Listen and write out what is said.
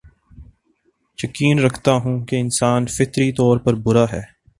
یقین رکھتا ہوں کے انسان فطری طور پر برا ہے